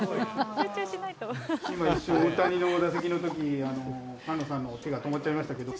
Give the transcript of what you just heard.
今一瞬、大谷の打席のとき、菅野さんの手が止まっちゃいましたけれども。